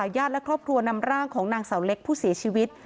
ญาติและครอบครัวนำร่างของนางเสาเล็กผู้เสียชีวิต